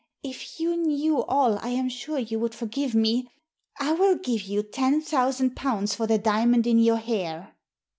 If you knew all I am sure you would forgive me. I will give you ten thousand pounds for the diamond in your hair